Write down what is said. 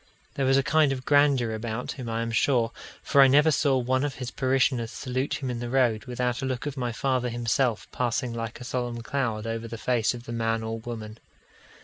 There was a kind of grandeur about him, I am sure; for I never saw one of his parishioners salute him in the road, without a look of my father himself passing like a solemn cloud over the face of the man or woman.